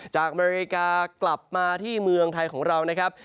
อเมริกากลับมาที่เมืองไทยของเรานะครับ